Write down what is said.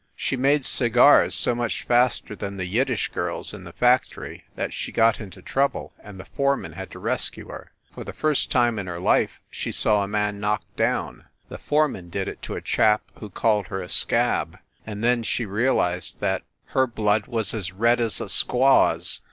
She made cigars so much faster than the Yiddish girls in the factory that she got into trouble and the foreman had to rescue her. For the first time in her life she saw a man knocked down the foreman did it to a chap who called her a scab and then she realized that her blood was as red as a squaw s.